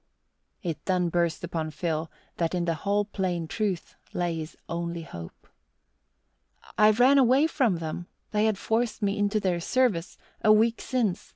It then burst upon Phil that in the whole plain truth lay his only hope. "I ran away from them they had forced me into their service! a week since.